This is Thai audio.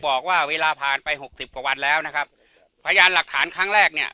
บอกว่าเวลาผ่านไปหกสิบกว่าวันแล้วนะครับพยานหลักฐานครั้งแรกเนี่ย